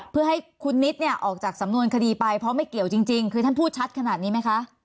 เพื่อให้คุณนิดเนี่ยออกจากสำนวนคดีไปเพราะไม่เกี่ยวจริงคือท่านพูดชัดขนาดนี้ไหมคะ